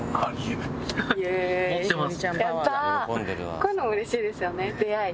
こういうのも嬉しいですよね出会い。